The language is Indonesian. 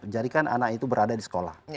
jadi kan anak itu berada di sekolah